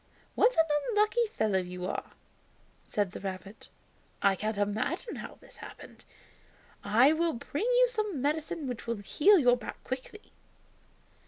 "What an unlucky fellow you are!" said the rabbit. "I can't imagine how this happened! I will bring you some medicine which will heal your back quickly!"